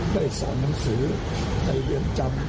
ได้สอนนังสือแรงเรียนจำ